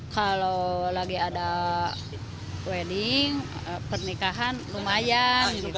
kalau lagi ada wedding pernikahan lumayan